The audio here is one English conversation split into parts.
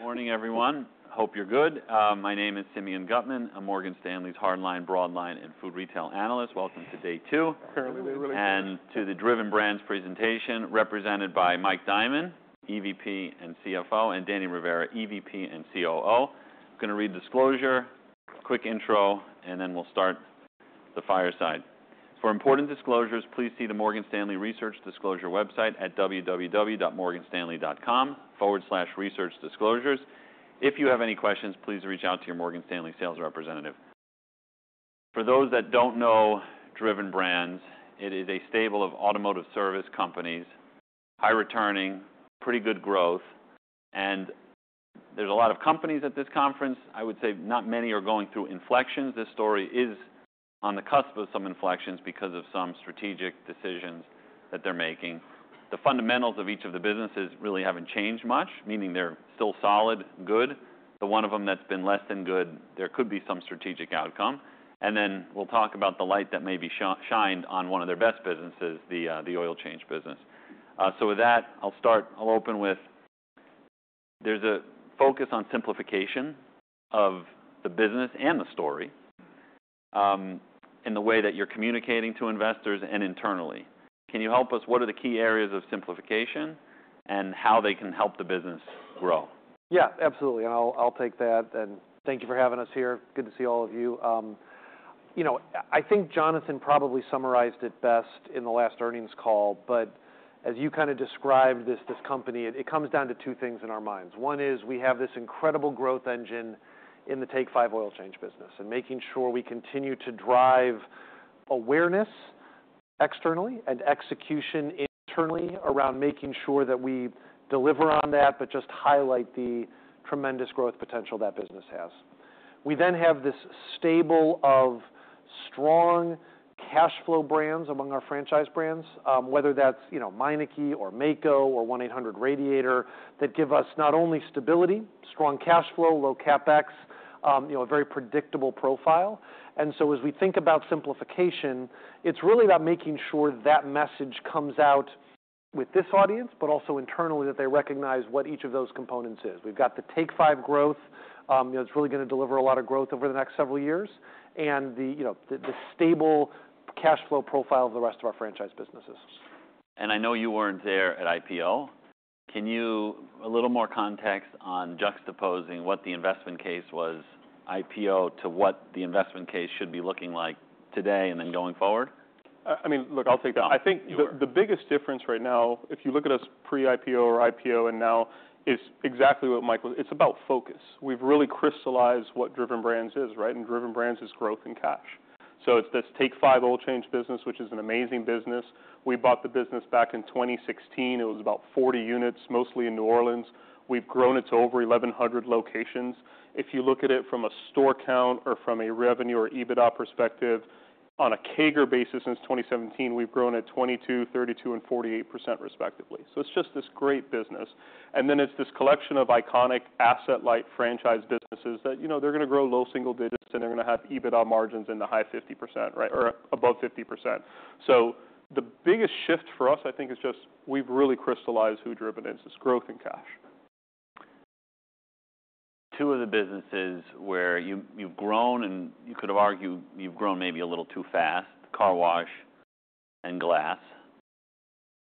Good morning, everyone. Hope you're good. My name is Simeon Gutman. I'm Morgan Stanley's hardline, broadline, and food retail analyst. Welcome to day two. Apparently, they really do. And to the Driven Brands presentation represented by Mike Diamond, EVP and CFO, and Danny Rivera, EVP and COO. I'm gonna read disclosure, quick intro, and then we'll start the fireside. For important disclosures, please see the Morgan Stanley Research Disclosure website at www.morganstanley.com/researchdisclosures. If you have any questions, please reach out to your Morgan Stanley sales representative. For those that don't know Driven Brands, it is a stable of automotive service companies, high returning, pretty good growth, and there's a lot of companies at this conference. I would say not many are going through inflections. This story is on the cusp of some inflections because of some strategic decisions that they're making. The fundamentals of each of the businesses really haven't changed much, meaning they're still solid, good. The one of them that's been less than good, there could be some strategic outcome. Then we'll talk about the light that may be shined on one of their best businesses, the oil change business. So with that, I'll start. I'll open with there's a focus on simplification of the business and the story, in the way that you're communicating to investors and internally. Can you help us? What are the key areas of simplification and how they can help the business grow? Yeah, absolutely. And I'll, I'll take that. And thank you for having us here. Good to see all of you. You know, I think Jonathan probably summarized it best in the last earnings call, but as you kinda described this, this company, it, it comes down to two things in our minds. One is we have this incredible growth engine in the Take 5 Oil Change business and making sure we continue to drive awareness externally and execution internally around making sure that we deliver on that but just highlight the tremendous growth potential that business has. We then have this stable of strong cash flow brands among our franchise brands, whether that's, you know, Meineke or Maaco or 1-800-Radiator, that give us not only stability, strong cash flow, low CapEx, you know, a very predictable profile. And so as we think about simplification, it's really about making sure that message comes out with this audience but also internally that they recognize what each of those components is. We've got the Take 5 growth, you know, it's really gonna deliver a lot of growth over the next several years and the, you know, the stable cash flow profile of the rest of our franchise businesses. I know you weren't there at IPO. Can you give a little more context on juxtaposing what the investment case was at IPO to what the investment case should be looking like today and then going forward? I mean, look, I'll take that. Yeah. I think the biggest difference right now, if you look at us pre-IPO or IPO and now, is exactly what Mike was saying. It's about focus. We've really crystallized what Driven Brands is, right? And Driven Brands is growth and cash. So it's this Take 5 Oil Change business, which is an amazing business. We bought the business back in 2016. It was about 40 units, mostly in New Orleans. We've grown it to over 1,100 locations. If you look at it from a store count or from a revenue or EBITDA perspective, on a CAGR basis since 2017, we've grown at 22%, 32%, and 48% respectively. So it's just this great business. And then it's this collection of iconic asset-light franchise businesses that, you know, they're gonna grow low single digits and they're gonna have EBITDA margins in the high 50%, right, or above 50%. So the biggest shift for us, I think, is just we've really crystallized who Driven is. It's growth and cash. Two of the businesses where you've grown and you could have argued you've grown maybe a little too fast, car wash and glass.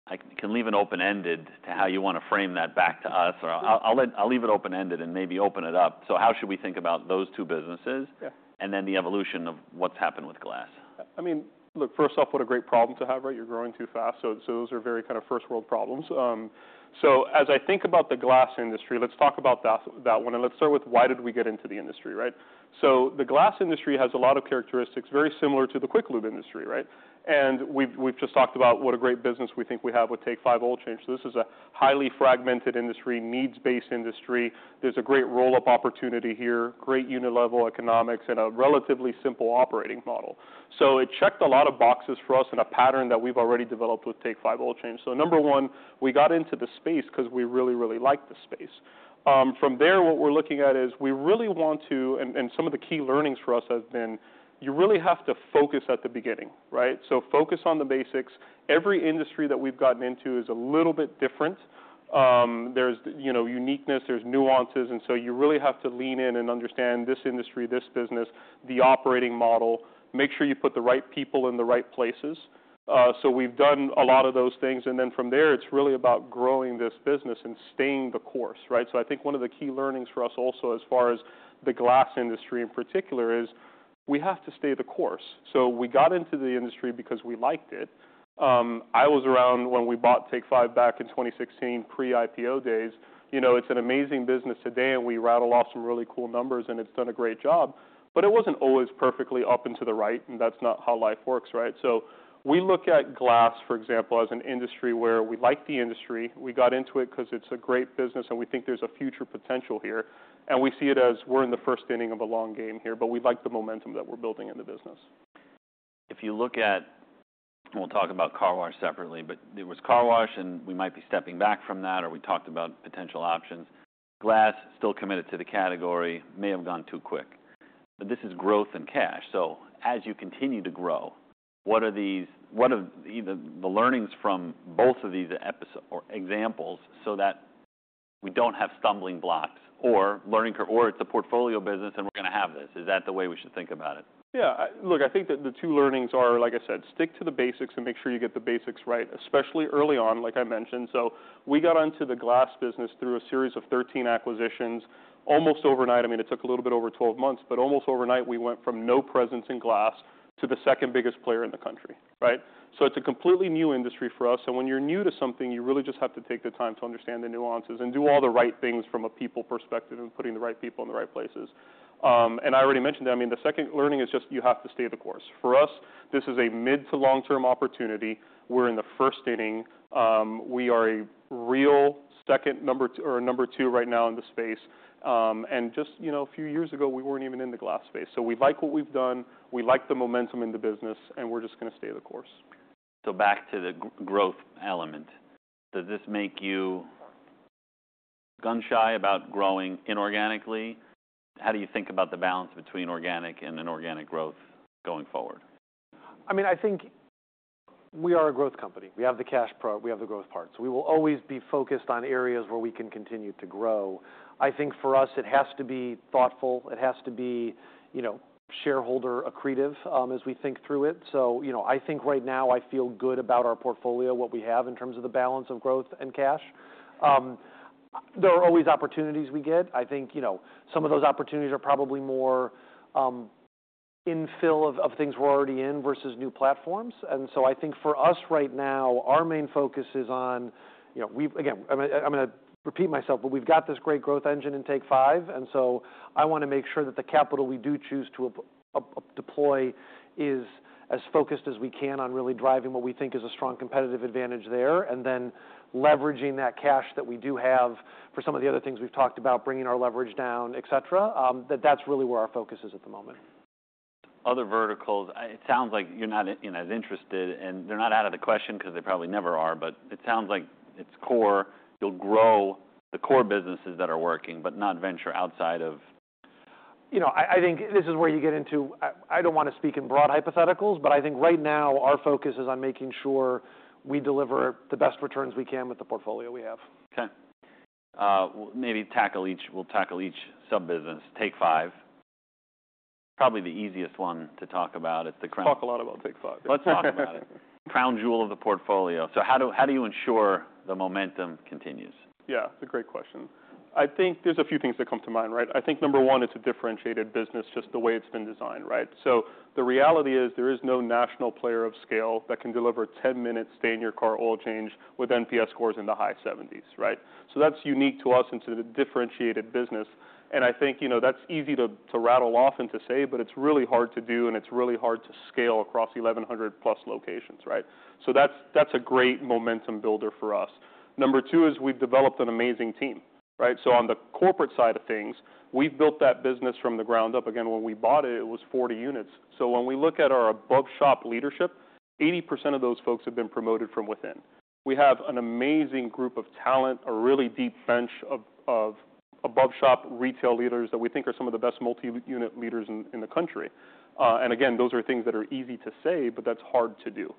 I can leave it open-ended to how you wanna frame that back to us, or I'll leave it open-ended and maybe open it up. So how should we think about those two businesses? Yeah. And then the evolution of what's happened with glass. I mean, look, first off, what a great problem to have, right? You're growing too fast. So those are very kinda first-world problems. So as I think about the glass industry, let's talk about that, that one. And let's start with why did we get into the industry, right? So the glass industry has a lot of characteristics very similar to the quick lube industry, right? And we've just talked about what a great business we think we have with Take 5 Oil Change. So this is a highly fragmented industry, needs-based industry. There's a great roll-up opportunity here, great unit-level economics, and a relatively simple operating model. So it checked a lot of boxes for us in a pattern that we've already developed with Take 5 Oil Change. So number one, we got into the space 'cause we really, really liked the space. From there, what we're looking at is we really want to, and some of the key learnings for us have been you really have to focus at the beginning, right? So focus on the basics. Every industry that we've gotten into is a little bit different. There's, you know, uniqueness, there's nuances. And so you really have to lean in and understand this industry, this business, the operating model, make sure you put the right people in the right places. So we've done a lot of those things. And then from there, it's really about growing this business and staying the course, right? So I think one of the key learnings for us also as far as the glass industry in particular is we have to stay the course. So we got into the industry because we liked it. I was around when we bought Take 5 back in 2016, pre-IPO days. You know, it's an amazing business today, and we rattled off some really cool numbers, and it's done a great job. But it wasn't always perfectly up and to the right, and that's not how life works, right? So we look at glass, for example, as an industry where we like the industry. We got into it 'cause it's a great business, and we think there's a future potential here. And we see it as we're in the first inning of a long game here, but we like the momentum that we're building in the business. If you look at and we'll talk about car wash separately, but there was car wash, and we might be stepping back from that, or we talked about potential options. Glass, still committed to the category, may have gone too quick. But this is growth and cash. So as you continue to grow, what are the learnings from both of these episodes or examples so that we don't have stumbling blocks or learning curve or it's a portfolio business and we're gonna have this? Is that the way we should think about it? Yeah. I look, I think that the two learnings are, like I said, stick to the basics and make sure you get the basics right, especially early on, like I mentioned. So we got onto the glass business through a series of 13 acquisitions almost overnight. I mean, it took a little bit over 12 months, but almost overnight we went from no presence in glass to the second biggest player in the country, right? So it's a completely new industry for us. And when you're new to something, you really just have to take the time to understand the nuances and do all the right things from a people perspective and putting the right people in the right places. And I already mentioned that. I mean, the second learning is just you have to stay the course. For us, this is a mid to long-term opportunity. We're in the first inning. We are really number two right now in the space, and just, you know, a few years ago, we weren't even in the glass space. So we like what we've done. We like the momentum in the business, and we're just gonna stay the course. So back to the growth element. Does this make you gun-shy about growing inorganically? How do you think about the balance between organic and inorganic growth going forward? I mean, I think we are a growth company. We have the cash flow; we have the growth part. So we will always be focused on areas where we can continue to grow. I think for us, it has to be thoughtful. It has to be, you know, shareholder accretive, as we think through it. So, you know, I think right now I feel good about our portfolio, what we have in terms of the balance of growth and cash. There are always opportunities we get. I think, you know, some of those opportunities are probably more infill of things we're already in versus new platforms. And so I think for us right now, our main focus is on, you know, we've again, I'm gonna I'm gonna repeat myself, but we've got this great growth engine in Take 5. And so I wanna make sure that the capital we do choose to deploy is as focused as we can on really driving what we think is a strong competitive advantage there and then leveraging that cash that we do have for some of the other things we've talked about, bringing our leverage down, etc. That's really where our focus is at the moment. Other verticals, it sounds like you're not as interested, and they're not out of the question 'cause they probably never are, but it sounds like it's core. You'll grow the core businesses that are working but not venture outside of. You know, I think this is where you get into. I don't wanna speak in broad hypotheticals, but I think right now our focus is on making sure we deliver the best returns we can with the portfolio we have. Okay, well, we'll tackle each sub-business. Take 5, probably the easiest one to talk about. It's the cr. Talk a lot about Take 5. Let's talk about it. Crown jewel of the portfolio. So how do you ensure the momentum continues? Yeah, that's a great question. I think there's a few things that come to mind, right? I think number one, it's a differentiated business just the way it's been designed, right? So the reality is there is no national player of scale that can deliver 10-minute stay-in-your-car oil change with NPS scores in the high 70s, right? So that's unique to us and to the differentiated business. And I think, you know, that's easy to rattle off and to say, but it's really hard to do, and it's really hard to scale across 1,100-plus locations, right? So that's a great momentum builder for us. Number two is we've developed an amazing team, right? So on the corporate side of things, we've built that business from the ground up. Again, when we bought it, it was 40 units. So when we look at our above-shop leadership, 80% of those folks have been promoted from within. We have an amazing group of talent, a really deep bench of above-shop retail leaders that we think are some of the best multi-unit leaders in the country. And again, those are things that are easy to say, but that's hard to do.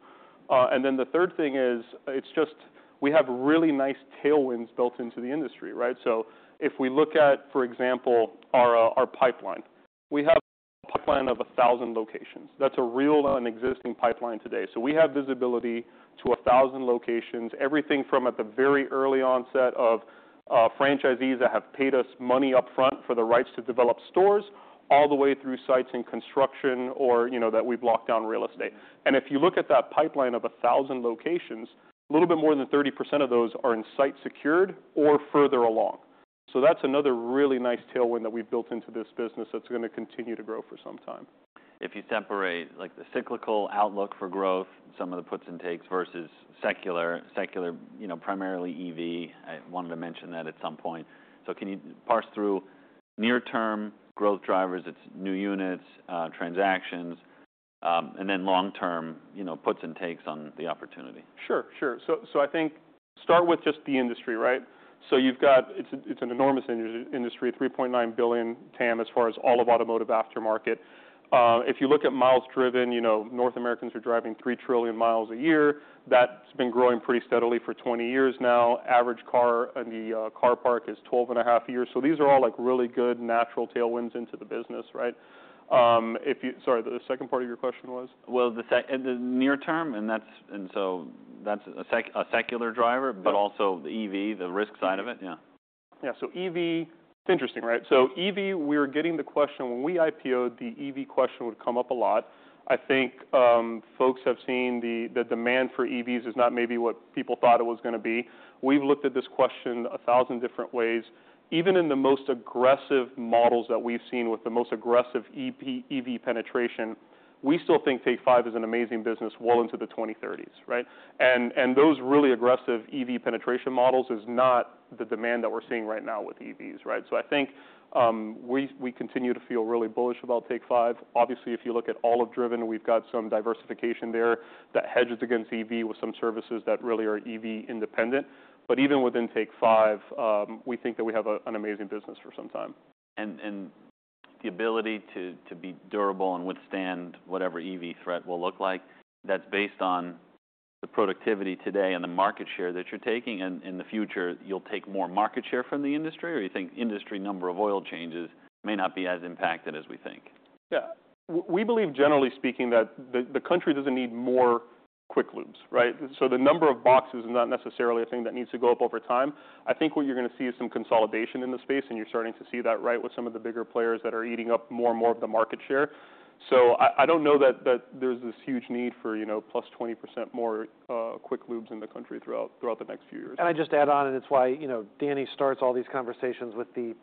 And then the third thing is it's just we have really nice tailwinds built into the industry, right? So if we look at, for example, our pipeline, we have a pipeline of 1,000 locations. That's a real and existing pipeline today. So we have visibility to 1,000 locations, everything from at the very early onset of franchisees that have paid us money upfront for the rights to develop stores all the way through sites in construction or, you know, that we've locked down real estate. If you look at that pipeline of 1,000 locations, a little bit more than 30% of those are in site secured or further along. That's another really nice tailwind that we've built into this business that's gonna continue to grow for some time. If you separate, like, the cyclical outlook for growth, some of the puts and takes versus secular, you know, primarily EV, I wanted to mention that at some point. So can you parse through near-term growth drivers? It's new units, transactions, and then long-term, you know, puts and takes on the opportunity. Sure. So I think start with just the industry, right? So you've got it's an enormous industry, $3.9 billion TAM as far as all of automotive aftermarket. If you look at miles driven, you know, North Americans are driving 3 trillion miles a year. That's been growing pretty steadily for 20 years now. Average car in the car park is 12 and a half years. So these are all, like, really good natural tailwinds into the business, right? Oh, sorry, the second part of your question was? The secular, the near-term, and so that's a secular driver, but also the EV, the risk side of it. Yeah. Yeah. So EV, it's interesting, right? So EV, we were getting the question when we IPOed, the EV question would come up a lot. I think folks have seen the demand for EVs is not maybe what people thought it was gonna be. We've looked at this question 1,000 different ways. Even in the most aggressive models that we've seen with the most aggressive EV penetration, we still think Take 5 is an amazing business well into the 2030s, right? And those really aggressive EV penetration models is not the demand that we're seeing right now with EVs, right? So I think we continue to feel really bullish about Take 5. Obviously, if you look at all of Driven, we've got some diversification there that hedges against EV with some services that really are EV independent. But even within Take 5, we think that we have an amazing business for some time. And the ability to be durable and withstand whatever EV threat will look like, that's based on the productivity today and the market share that you're taking. And in the future, you'll take more market share from the industry, or you think industry number of oil changes may not be as impacted as we think? Yeah. We believe, generally speaking, that the country doesn't need more quick lubes, right? So the number of boxes is not necessarily a thing that needs to go up over time. I think what you're gonna see is some consolidation in the space, and you're starting to see that, right, with some of the bigger players that are eating up more and more of the market share. So I don't know that there's this huge need for, you know, plus 20% more quick lubes in the country throughout the next few years. And I just add on, and it's why, you know, Danny starts all these conversations with the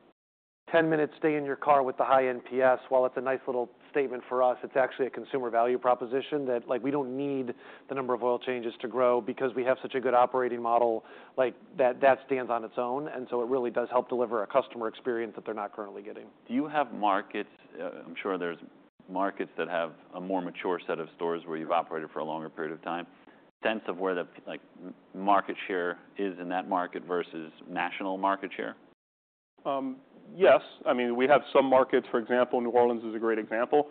10-minute stay-in-your-car with the high NPS. While it's a nice little statement for us, it's actually a consumer value proposition that, like, we don't need the number of oil changes to grow because we have such a good operating model like that, that stands on its own, and so it really does help deliver a customer experience that they're not currently getting. Do you have markets? I'm sure there's markets that have a more mature set of stores where you've operated for a longer period of time. Sense of where the, like, market share is in that market versus national market share? Yes. I mean, we have some markets. For example, New Orleans is a great example.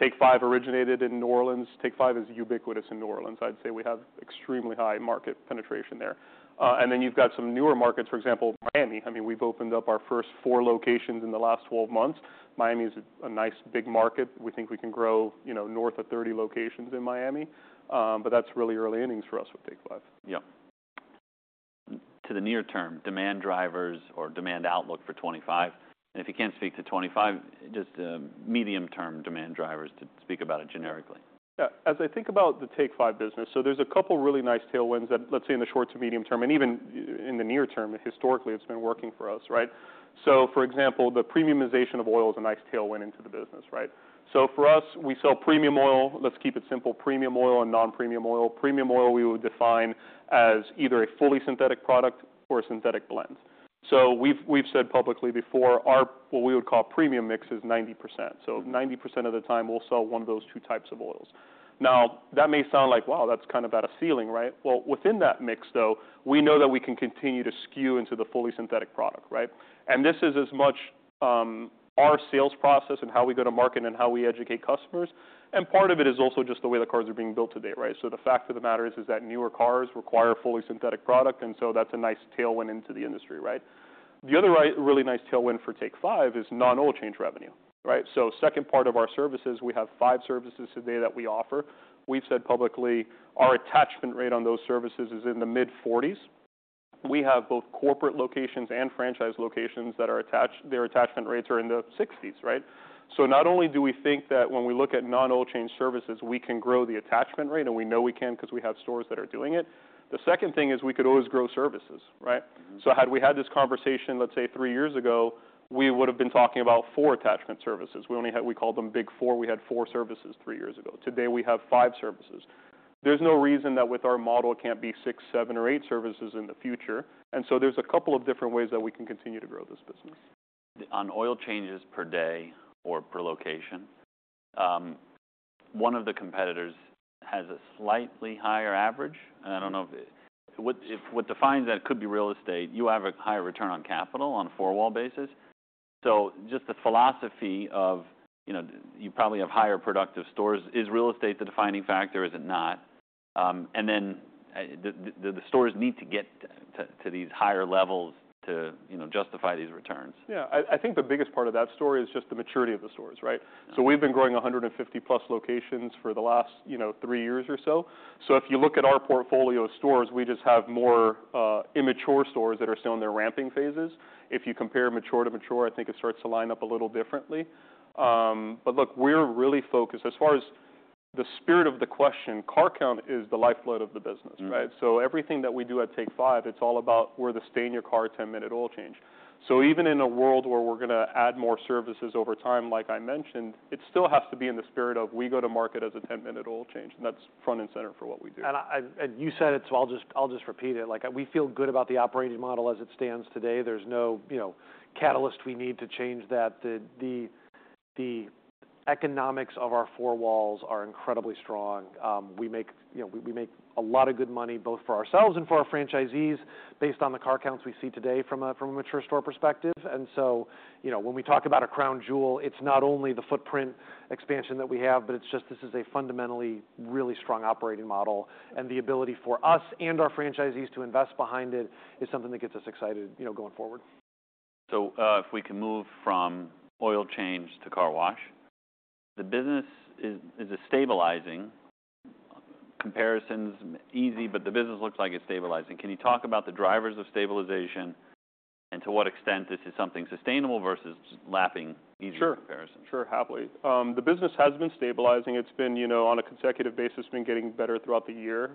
Take 5 originated in New Orleans. Take 5 is ubiquitous in New Orleans. I'd say we have extremely high market penetration there, and then you've got some newer markets. For example, Miami. I mean, we've opened up our first four locations in the last 12 months. Miami's a nice big market. We think we can grow, you know, north of 30 locations in Miami, but that's really early innings for us with Take 5. Yeah. To the near-term, demand drivers or demand outlook for 2025? And if you can't speak to 2025, just, medium-term demand drivers to speak about it generically. Yeah. As I think about the Take 5 business, so there's a couple really nice tailwinds that, let's say, in the short to medium term and even in the near term, historically, it's been working for us, right? So, for example, the premiumization of oil is a nice tailwind into the business, right? So for us, we sell premium oil. Let's keep it simple. Premium oil and non-premium oil. Premium oil we would define as either a fully synthetic product or a synthetic blend. So we've said publicly before our what we would call premium mix is 90%. So 90% of the time, we'll sell one of those two types of oils. Now, that may sound like, "Wow, that's kind of at a ceiling," right? Well, within that mix, though, we know that we can continue to skew into the fully synthetic product, right? And this is as much, our sales process and how we go to market and how we educate customers. And part of it is also just the way the cars are being built today, right? So the fact of the matter is that newer cars require a fully synthetic product, and so that's a nice tailwind into the industry, right? The other really nice tailwind for Take 5 is non-oil change revenue, right? So second part of our services, we have five services today that we offer. We've said publicly our attachment rate on those services is in the mid-40s. We have both corporate locations and franchise locations that are attached. Their attachment rates are in the 60s, right? So not only do we think that when we look at non-oil change services, we can grow the attachment rate, and we know we can 'cause we have stores that are doing it. The second thing is we could always grow services, right? So had we had this conversation, let's say, three years ago, we would've been talking about four attachment services. We only had. We called them big four. We had four services three years ago. Today, we have five services. There's no reason that with our model, it can't be six, seven, or eight services in the future. And so there's a couple of different ways that we can continue to grow this business. On oil changes per day or per location, one of the competitors has a slightly higher average. And I don't know if it's what defines that could be real estate. You have a higher return on capital on a four-wall basis. So just the philosophy of, you know, you probably have higher productive stores. Is real estate the defining factor? Is it not? And then, the stores need to get to these higher levels to, you know, justify these returns. Yeah. I think the biggest part of that story is just the maturity of the stores, right? So we've been growing 150-plus locations for the last, you know, three years or so. So if you look at our portfolio of stores, we just have more immature stores that are still in their ramping phases. If you compare mature to mature, I think it starts to line up a little differently. But look, we're really focused. As far as the spirit of the question, car count is the lifeblood of the business, right? So everything that we do at Take 5, it's all about, "Where you stay in your car at 10-minute oil change." So even in a world where we're gonna add more services over time, like I mentioned, it still has to be in the spirit of we go to market as a 10-minute oil change. And that's front and center for what we do. And I and you said it, so I'll just repeat it. Like, we feel good about the operating model as it stands today. There's no, you know, catalyst we need to change that. The economics of our four-wall are incredibly strong. We make, you know, we make a lot of good money both for ourselves and for our franchisees based on the car counts we see today from a mature store perspective. And so, you know, when we talk about a crown jewel, it's not only the footprint expansion that we have, but it's just this is a fundamentally really strong operating model. And the ability for us and our franchisees to invest behind it is something that gets us excited, you know, going forward. So, if we can move from oil change to car wash, the business is stabilizing, comparisons easy, but the business looks like it's stabilizing. Can you talk about the drivers of stabilization and to what extent this is something sustainable versus lapping easier comparisons? Sure. Sure. Happily, the business has been stabilizing. It's been, you know, on a consecutive basis, been getting better throughout the year.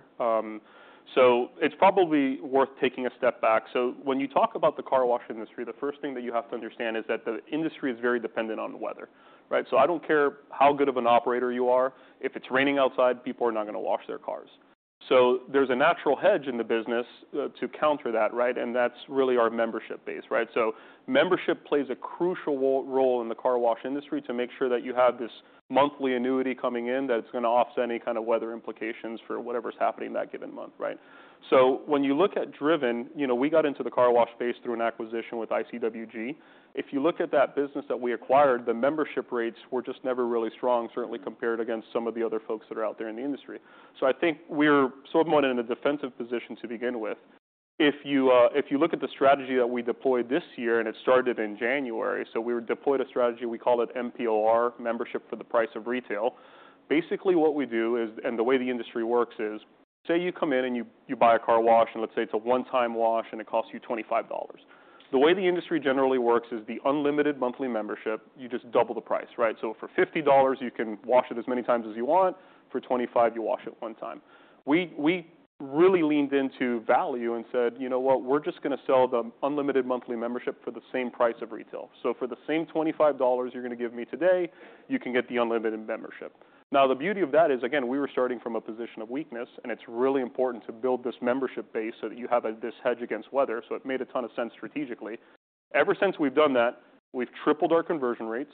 So it's probably worth taking a step back. So when you talk about the car wash industry, the first thing that you have to understand is that the industry is very dependent on weather, right? So I don't care how good of an operator you are. If it's raining outside, people are not gonna wash their cars. So there's a natural hedge in the business, to counter that, right? And that's really our membership base, right? So membership plays a crucial role in the car wash industry to make sure that you have this monthly annuity coming in that it's gonna offset any kind of weather implications for whatever's happening that given month, right? So when you look at Driven, you know, we got into the car wash base through an acquisition with ICWG. If you look at that business that we acquired, the membership rates were just never really strong, certainly compared against some of the other folks that are out there in the industry. I think we're somewhat in a defensive position to begin with. If you look at the strategy that we deployed this year, and it started in January, we deployed a strategy we call it MPOR, membership for the price of retail. Basically, what we do is, and the way the industry works is say you come in and you buy a car wash, and let's say it's a one-time wash and it costs you $25. The way the industry generally works is the unlimited monthly membership, you just double the price, right? So for $50, you can wash it as many times as you want. For $25, you wash it one time. We really leaned into value and said, "You know what? We're just gonna sell the unlimited monthly membership for the same price of retail." So for the same $25 you're gonna give me today, you can get the unlimited membership. Now, the beauty of that is, again, we were starting from a position of weakness, and it's really important to build this membership base so that you have this hedge against weather. So it made a ton of sense strategically. Ever since we've done that, we've tripled our conversion rates.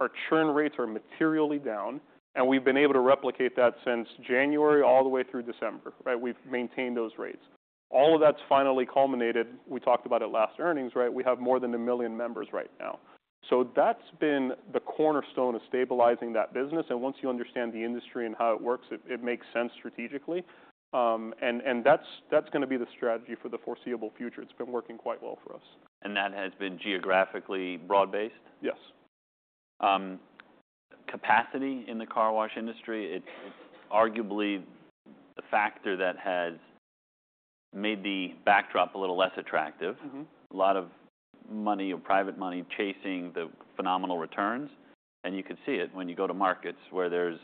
Our churn rates are materially down, and we've been able to replicate that since January all the way through December, right? We've maintained those rates. All of that's finally culminated. We talked about it last earnings, right? We have more than a million members right now. So that's been the cornerstone of stabilizing that business. And once you understand the industry and how it works, it makes sense strategically. And that's gonna be the strategy for the foreseeable future. It's been working quite well for us. That has been geographically broad-based? Yes. Capacity in the car wash industry, it's arguably the factor that has made the backdrop a little less attractive. Mm-hmm. A lot of money, or private money, chasing the phenomenal returns. And you could see it when you go to markets where there's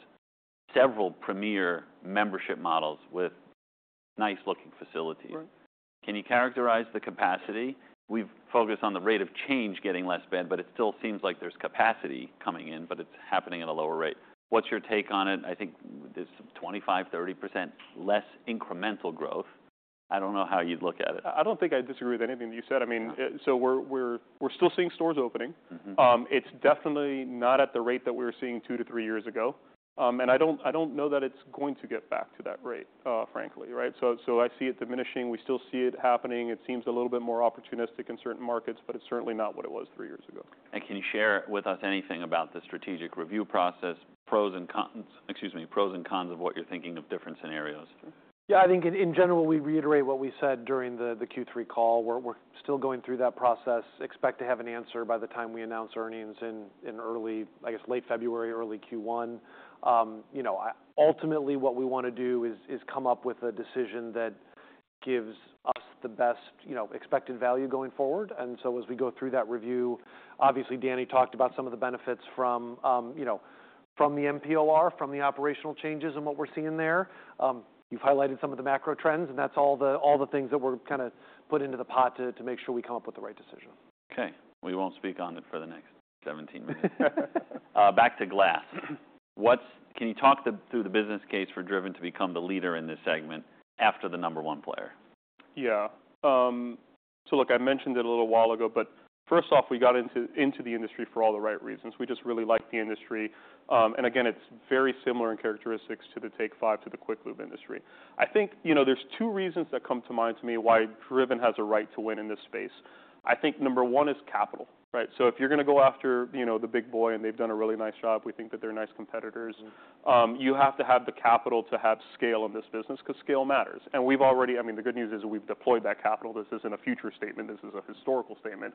several premier membership models with nice-looking facilities. Right. Can you characterize the capacity? We've focused on the rate of change getting less bad, but it still seems like there's capacity coming in, but it's happening at a lower rate. What's your take on it? I think there's 25%-30% less incremental growth. I don't know how you'd look at it. I don't think I disagree with anything that you said. I mean, so we're still seeing stores opening. Mm-hmm. It's definitely not at the rate that we were seeing two to three years ago. And I don't, I don't know that it's going to get back to that rate, frankly, right? So, so I see it diminishing. We still see it happening. It seems a little bit more opportunistic in certain markets, but it's certainly not what it was three years ago. And can you share with us anything about the strategic review process, pros and cons? Excuse me. Pros and cons of what you're thinking of different scenarios? Yeah. I think in general, we reiterate what we said during the Q3 call. We're still going through that process. Expect to have an answer by the time we announce earnings in early, I guess, late February, early Q1. You know, ultimately, what we wanna do is come up with a decision that gives us the best, you know, expected value going forward. And so as we go through that review, obviously, Danny talked about some of the benefits from, you know, the MPOR, from the operational changes and what we're seeing there. You've highlighted some of the macro trends, and that's all the things that we're kinda putting into the pot to make sure we come up with the right decision. Okay. We won't speak on it for the next 17 minutes. Back to glass. What can you talk through the business case for Driven to become the leader in this segment after the number one player? Yeah. So look, I mentioned it a little while ago, but first off, we got into the industry for all the right reasons. We just really like the industry. And again, it's very similar in characteristics to the Take 5, to the quick lube industry. I think, you know, there's two reasons that come to mind to me why Driven has a right to win in this space. I think number one is capital, right? So if you're gonna go after, you know, the big boy and they've done a really nice job, we think that they're nice competitors. Mm-hmm. You have to have the capital to have scale in this business 'cause scale matters, and we've already, I mean, the good news is we've deployed that capital. This isn't a future statement. This is a historical statement,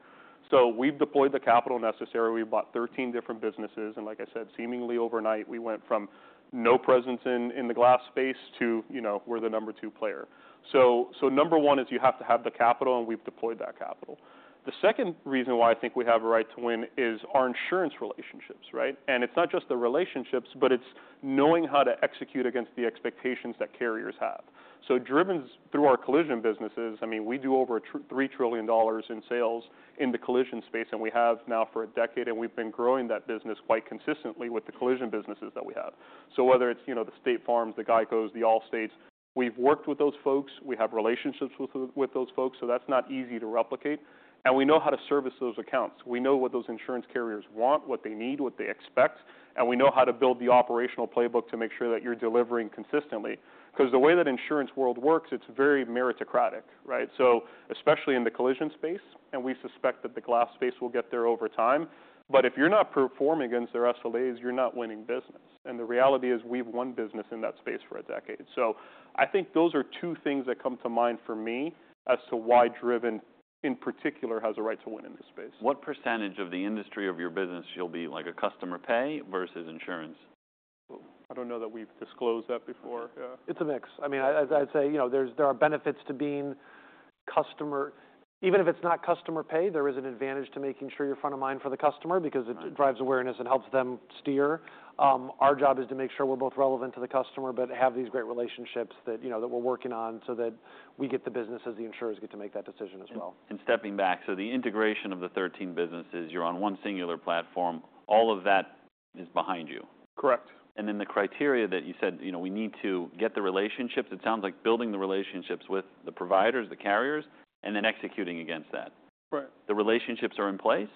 so we've deployed the capital necessarily. We bought 13 different businesses, and like I said, seemingly overnight, we went from no presence in the glass space to, you know, we're the number two player, so number one is you have to have the capital, and we've deployed that capital. The second reason why I think we have a right to win is our insurance relationships, right, and it's not just the relationships, but it's knowing how to execute against the expectations that carriers have, so Driven's through our collision businesses. I mean, we do over $3 trillion in sales in the collision space, and we have now for a decade, and we've been growing that business quite consistently with the collision businesses that we have. So whether it's, you know, the State Farms, the GEICOs, the Allstates, we've worked with those folks. We have relationships with those folks. So that's not easy to replicate, and we know how to service those accounts. We know what those insurance carriers want, what they need, what they expect, and we know how to build the operational playbook to make sure that you're delivering consistently. 'Cause the way that insurance world works, it's very meritocratic, right? So especially in the collision space, and we suspect that the glass space will get there over time, but if you're not performing against their SLAs, you're not winning business. The reality is we've won business in that space for a decade. I think those are two things that come to mind for me as to why Driven, in particular, has a right to win in this space. What percentage of the industry of your business should be like a customer pay versus insurance? I don't know that we've disclosed that before. Yeah. It's a mix. I mean, I, as I'd say, you know, there are benefits to being customer. Even if it's not customer pay, there is an advantage to making sure you're front of mind for the customer because it drives awareness and helps them steer. Our job is to make sure we're both relevant to the customer but have these great relationships that, you know, that we're working on so that we get the business as the insurers get to make that decision as well. Stepping back, so the integration of the 13 businesses, you're on one singular platform. All of that is behind you. Correct. The criteria that you said, you know, we need to get the relationships. It sounds like building the relationships with the providers, the carriers, and then executing against that. Right. The relationships are in place?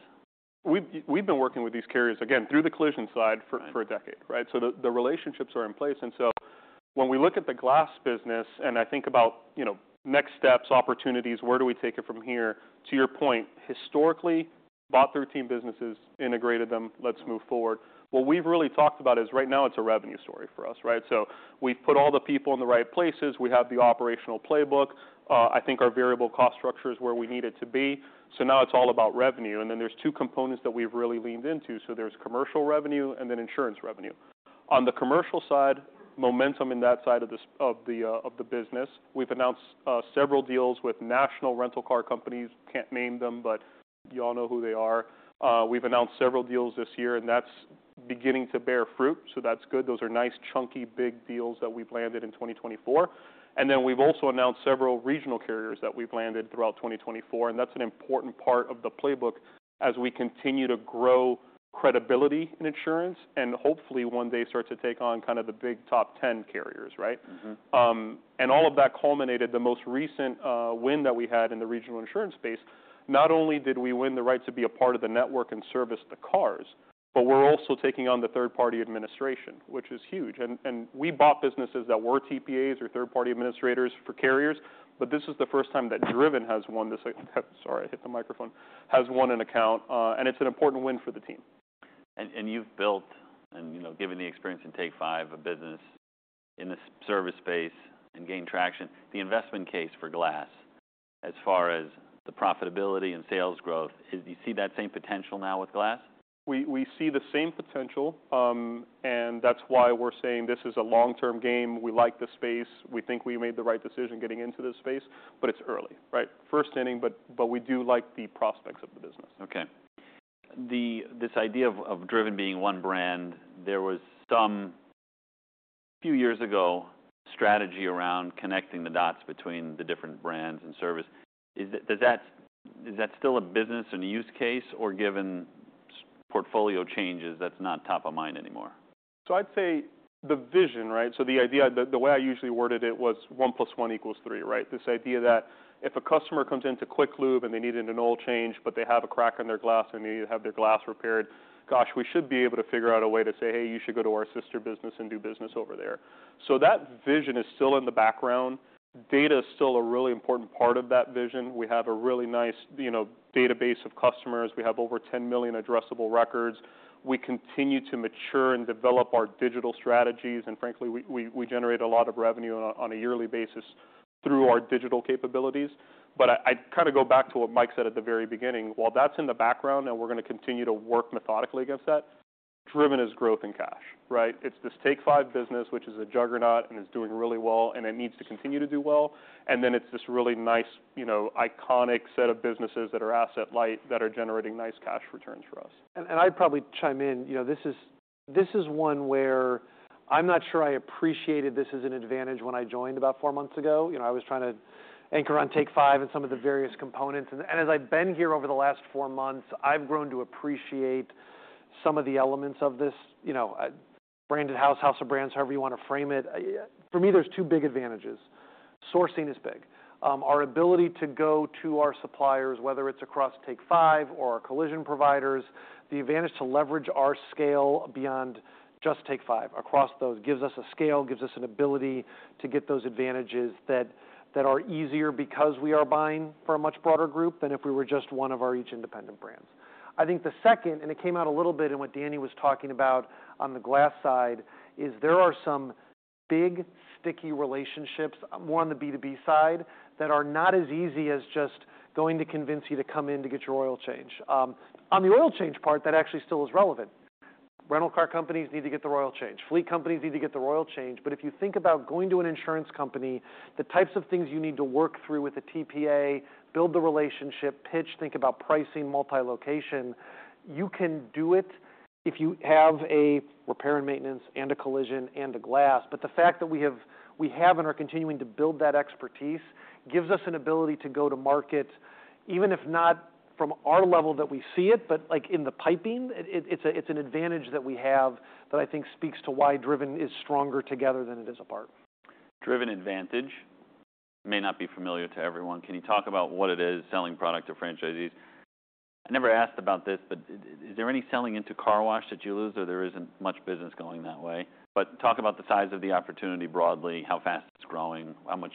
We've been working with these carriers, again, through the collision side for a decade, right? So the relationships are in place. And so when we look at the glass business and I think about, you know, next steps, opportunities, where do we take it from here? To your point, historically, bought 13 businesses, integrated them, let's move forward. What we've really talked about is right now it's a revenue story for us, right? So we've put all the people in the right places. We have the operational playbook. I think our variable cost structure is where we need it to be. So now it's all about revenue. And then there's two components that we've really leaned into. So there's commercial revenue and then insurance revenue. On the commercial side, momentum in that side of the business. We've announced several deals with national rental car companies. Can't name them, but y'all know who they are. We've announced several deals this year, and that's beginning to bear fruit. So that's good. Those are nice, chunky, big deals that we've landed in 2024. And then we've also announced several regional carriers that we've landed throughout 2024. And that's an important part of the playbook as we continue to grow credibility in insurance and hopefully one day start to take on kinda the big top 10 carriers, right? Mm-hmm. And all of that culminated in the most recent win that we had in the regional insurance space. Not only did we win the right to be a part of the network and service the cars, but we're also taking on the third-party administration, which is huge. And we bought businesses that were TPAs or third-party administrators for carriers, but this is the first time that Driven has won this. Sorry, I hit the microphone. Has won an account. And it's an important win for the team. You've built, you know, given the experience in Take 5, a business in the service space and gained traction. The investment case for glass, as far as the profitability and sales growth, is you see that same potential now with glass? We see the same potential. And that's why we're saying this is a long-term game. We like the space. We think we made the right decision getting into this space, but it's early, right? First inning, but we do like the prospects of the business. Okay. This idea of Driven being one brand, there was a strategy a few years ago around connecting the dots between the different brands and services. Is that still a business and use case or given portfolio changes, that's not top of mind anymore? So I'd say the vision, right? So the idea, the way I usually worded it was one plus one equals three, right? This idea that if a customer comes into quick lube and they needed an oil change, but they have a crack in their glass and they need to have their glass repaired, gosh, we should be able to figure out a way to say, "Hey, you should go to our sister business and do business over there." So that vision is still in the background. Data is still a really important part of that vision. We have a really nice, you know, database of customers. We have over 10 million addressable records. We continue to mature and develop our digital strategies. And frankly, we generate a lot of revenue on a yearly basis through our digital capabilities. But I, I kinda go back to what Mike said at the very beginning. While that's in the background and we're gonna continue to work methodically against that, Driven is growth and cash, right? It's this Take 5 business, which is a juggernaut and is doing really well and it needs to continue to do well. And then it's this really nice, you know, iconic set of businesses that are asset light that are generating nice cash returns for us. I'd probably chime in. You know, this is one where I'm not sure I appreciated this as an advantage when I joined about four months ago. You know, I was trying to anchor on Take 5 and some of the various components. As I've been here over the last four months, I've grown to appreciate some of the elements of this. You know, branded house, house of brands, however you wanna frame it. For me, there's two big advantages. Sourcing is big. Our ability to go to our suppliers, whether it's across Take 5 or our collision providers, the advantage to leverage our scale beyond just Take 5 across those gives us a scale, gives us an ability to get those advantages that, that are easier because we are buying for a much broader group than if we were just one of our each independent brands. I think the second, and it came out a little bit in what Danny was talking about on the glass side, is there are some big sticky relationships, more on the B2B side, that are not as easy as just going to convince you to come in to get your oil change. On the oil change part, that actually still is relevant. Rental car companies need to get the oil change. Fleet companies need to get the oil change. But if you think about going to an insurance company, the types of things you need to work through with a TPA, build the relationship, pitch, think about pricing, multi-location, you can do it if you have a repair and maintenance and a collision and a glass. But the fact that we have and are continuing to build that expertise gives us an ability to go to market, even if not from our level that we see it, but like in the piping, it, it's an advantage that we have that I think speaks to why Driven is stronger together than it is apart. Driven Advantage may not be familiar to everyone. Can you talk about what it is, selling product to franchisees? I never asked about this, but is there any selling into car wash that you lose or there isn't much business going that way, but talk about the size of the opportunity broadly, how fast it's growing, how much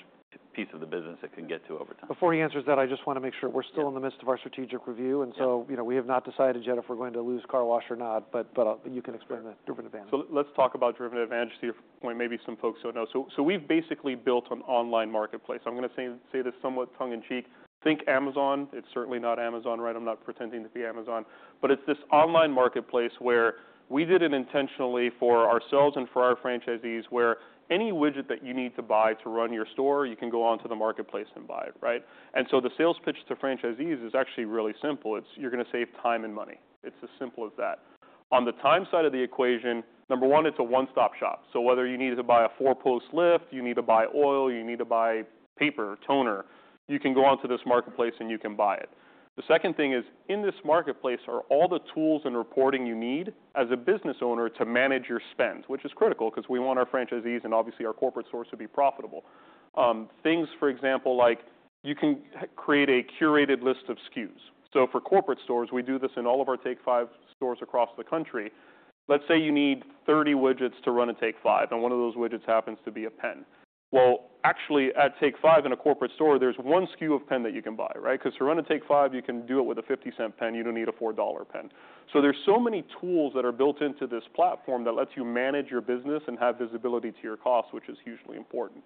piece of the business it can get to over time. Before he answers that, I just wanna make sure we're still in the midst of our strategic review, and so, you know, we have not decided yet if we're going to lose car wash or not, but you can explain that Driven Advantage. So let's talk about Driven Advantage to your point. Maybe some folks don't know. So we've basically built an online marketplace. I'm gonna say this somewhat tongue in cheek. Think Amazon. It's certainly not Amazon, right? I'm not pretending to be Amazon. But it's this online marketplace where we did it intentionally for ourselves and for our franchisees where any widget that you need to buy to run your store, you can go onto the marketplace and buy it, right? And so the sales pitch to franchisees is actually really simple. It's you're gonna save time and money. It's as simple as that. On the time side of the equation, number one, it's a one-stop shop. So whether you need to buy a four-post lift, you need to buy oil, you need to buy paper, toner, you can go onto this marketplace and you can buy it. The second thing is in this marketplace are all the tools and reporting you need as a business owner to manage your spend, which is critical 'cause we want our franchisees and obviously our corporate stores to be profitable. Things, for example, like you can create a curated list of SKUs. So for corporate stores, we do this in all of our Take 5 stores across the country. Let's say you need 30 widgets to run a Take 5, and one of those widgets happens to be a pen. Well, actually at Take 5 in a corporate store, there's one SKU of pen that you can buy, right? 'Cause to run a Take 5, you can do it with a $0.50 pen. You don't need a $4 pen. So there's so many tools that are built into this platform that lets you manage your business and have visibility to your cost, which is hugely important.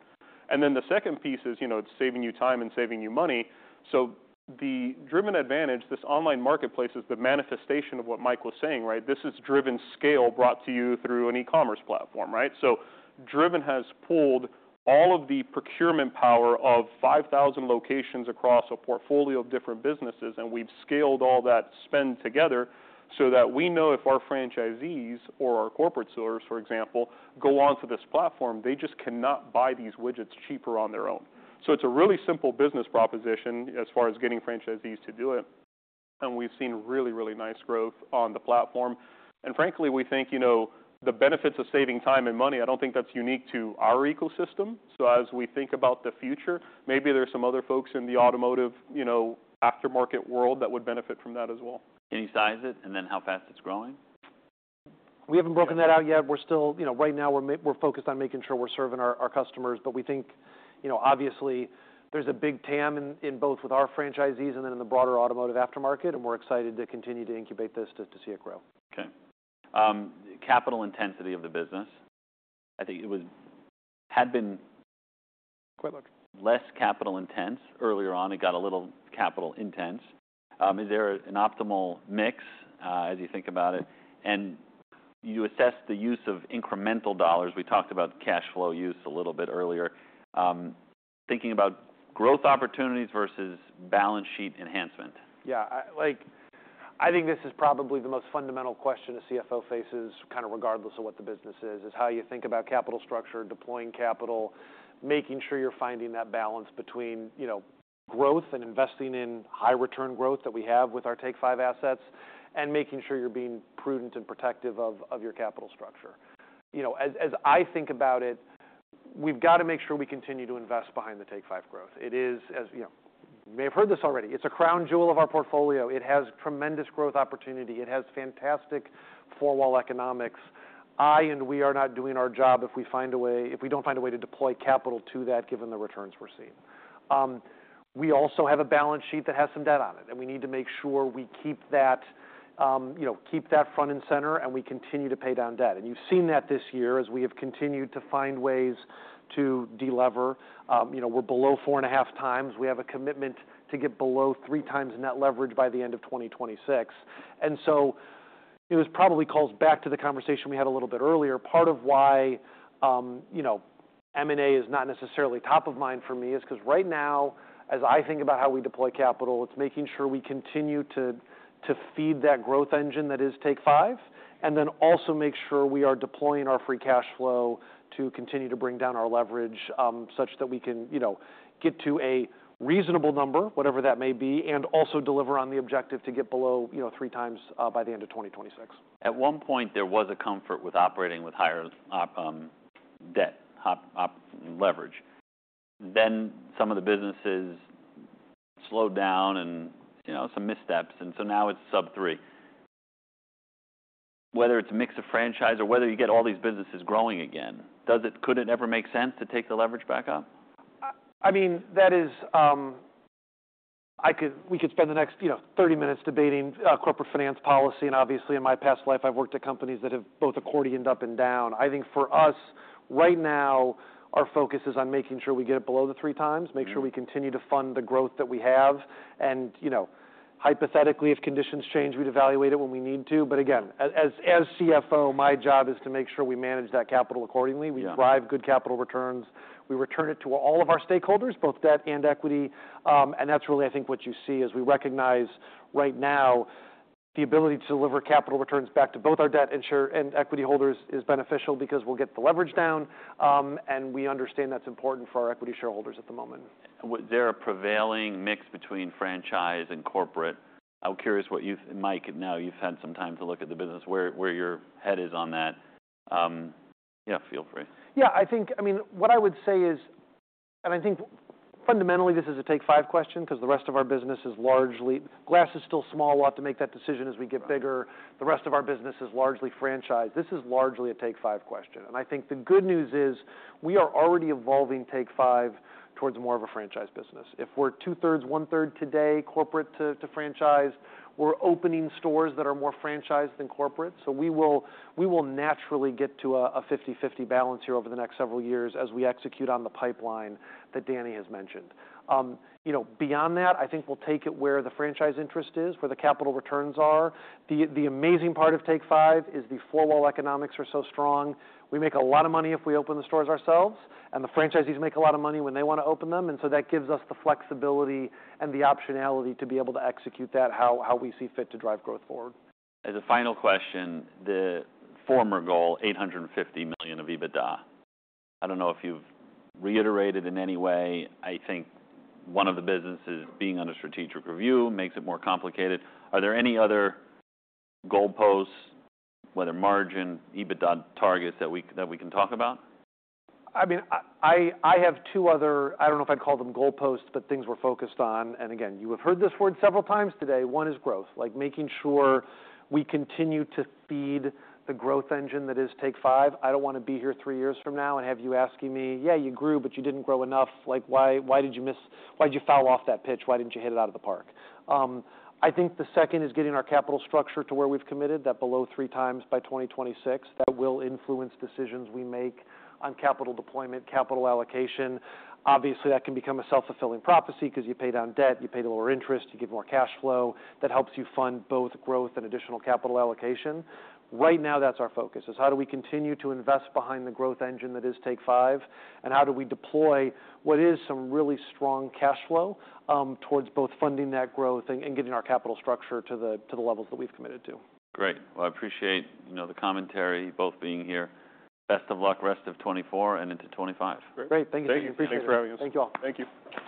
And then the second piece is, you know, it's saving you time and saving you money. So the Driven Advantage, this online marketplace is the manifestation of what Mike was saying, right? This is Driven scale brought to you through an e-commerce platform, right? So Driven has pulled all of the procurement power of 5,000 locations across a portfolio of different businesses, and we've scaled all that spend together so that we know if our franchisees or our corporate stores, for example, go onto this platform, they just cannot buy these widgets cheaper on their own. So it's a really simple business proposition as far as getting franchisees to do it. And we've seen really, really nice growth on the platform. Frankly, we think, you know, the benefits of saving time and money. I don't think that's unique to our ecosystem. As we think about the future, maybe there's some other folks in the automotive, you know, aftermarket world that would benefit from that as well. Can you size it and then how fast it's growing? We haven't broken that out yet. We're still, you know, right now we're focused on making sure we're serving our customers. But we think, you know, obviously there's a big TAM in both with our franchisees and then in the broader automotive aftermarket, and we're excited to continue to incubate this to see it grow. Okay. Capital intensity of the business, I think it was, had been. Quite large. Less capital intense earlier on. It got a little capital intense. Is there an optimal mix, as you think about it? And you assessed the use of incremental dollars. We talked about cash flow use a little bit earlier. Thinking about growth opportunities versus balance sheet enhancement. Yeah. I, like, I think this is probably the most fundamental question a CFO faces kinda regardless of what the business is, is how you think about capital structure, deploying capital, making sure you're finding that balance between, you know, growth and investing in high return growth that we have with our Take 5 assets and making sure you're being prudent and protective of your capital structure. You know, as I think about it, we've gotta make sure we continue to invest behind the Take 5 growth. It is, as you know, you may have heard this already. It's a crown jewel of our portfolio. It has tremendous growth opportunity. It has fantastic four-wall economics. I and we are not doing our job if we find a way, if we don't find a way to deploy capital to that given the returns we're seeing. We also have a balance sheet that has some debt on it, and we need to make sure we keep that, you know, keep that front and center and we continue to pay down debt. And you've seen that this year as we have continued to find ways to delever. You know, we're below four and a half times. We have a commitment to get below three times net leverage by the end of 2026. And so it probably calls back to the conversation we had a little bit earlier. Part of why, you know, M&A is not necessarily top of mind for me is 'cause right now, as I think about how we deploy capital, it's making sure we continue to feed that growth engine that is Take 5 and then also make sure we are deploying our free cash flow to continue to bring down our leverage, such that we can, you know, get to a reasonable number, whatever that may be, and also deliver on the objective to get below, you know, three times, by the end of 2026. At one point, there was a comfort with operating with higher debt, higher op leverage. Then some of the businesses slowed down and, you know, some missteps. And so now it's sub three. Whether it's a mix of franchise or whether you get all these businesses growing again, could it ever make sense to take the leverage back up? I mean, that is, I could, we could spend the next, you know, 30 minutes debating corporate finance policy, and obviously in my past life, I've worked at companies that have both accordioned up and down. I think for us right now, our focus is on making sure we get it below the three times, make sure we continue to fund the growth that we have. And, you know, hypothetically, if conditions change, we'd evaluate it when we need to. But again, as CFO, my job is to make sure we manage that capital accordingly. We drive good capital returns. We return it to all of our stakeholders, both debt and equity, and that's really, I think, what you see is we recognize right now the ability to deliver capital returns back to both our debt and share and equity holders is beneficial because we'll get the leverage down. And we understand that's important for our equity shareholders at the moment. And was there a prevailing mix between franchise and corporate? I'm curious what you've, Mike, now you've had some time to look at the business where your head is on that. Yeah, feel free. Yeah. I think, I mean, what I would say is, and I think fundamentally this is a Take 5 question 'cause the rest of our business is largely, glass is still small. We'll have to make that decision as we get bigger. The rest of our business is largely franchise. This is largely a Take 5 question. And I think the good news is we are already evolving Take 5 towards more of a franchise business. If we're two-thirds, one-third today, corporate to, to franchise, we're opening stores that are more franchised than corporate. So we will, we will naturally get to a, a 50/50 balance here over the next several years as we execute on the pipeline that Danny has mentioned. You know, beyond that, I think we'll take it where the franchise interest is, where the capital returns are. The amazing part of Take 5 is the four-wall economics are so strong. We make a lot of money if we open the stores ourselves, and the franchisees make a lot of money when they wanna open them. And so that gives us the flexibility and the optionality to be able to execute that how we see fit to drive growth forward. As a final question, the former goal, $850 million of EBITDA, I don't know if you've reiterated in any way. I think one of the businesses being under strategic review makes it more complicated. Are there any other goalposts, whether margin, EBITDA targets that we can talk about? I mean, I have two other, I don't know if I'd call them goalposts, but things we're focused on. And again, you have heard this word several times today. One is growth, like making sure we continue to feed the growth engine that is Take 5. I don't wanna be here three years from now and have you asking me, "Yeah, you grew, but you didn't grow enough. Like, why did you miss, why'd you foul off that pitch? Why didn't you hit it out of the park?" I think the second is getting our capital structure to where we've committed that below three times by 2026. That will influence decisions we make on capital deployment, capital allocation. Obviously, that can become a self-fulfilling prophecy 'cause you pay down debt, you pay lower interest, you get more cash flow that helps you fund both growth and additional capital allocation. Right now, that's our focus is how do we continue to invest behind the growth engine that is Take 5 and how do we deploy what is some really strong cash flow, towards both funding that growth and getting our capital structure to the levels that we've committed to. Great. Well, I appreciate, you know, the commentary both being here. Best of luck rest of 2024 and into 2025. Great. Thank you. Thank you for having us. Thank you all. Thank you.